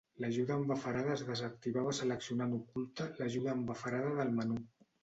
L'ajuda en bafarada es desactivava seleccionant Oculta l'ajuda en bafarada del menú.